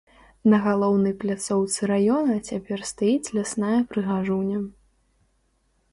На галоўнай пляцоўцы раёна цяпер стаіць лясная прыгажуня.